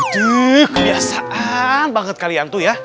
tuh kebiasaan banget kalian tuh ya